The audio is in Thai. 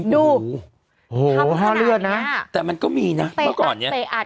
โหค่อนข้างลือดนะแต่มันก็มีนะ